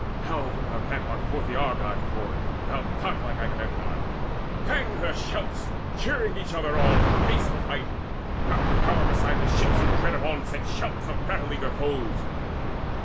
Now from their rampart forth the Argives poured Round godlike Agamemnon. Rang their shouts Cheering each other on to face the fight, And not to cower beside the ships in dread Of onset shouts of battle eager foes.